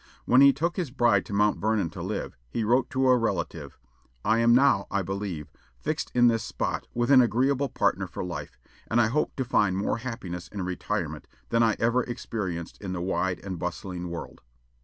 When he took his bride to Mount Vernon to live, he wrote to a relative, "I am now, I believe, fixed in this spot with an agreeable partner for life; and I hope to find more happiness in retirement than I ever experienced in the wide and bustling world."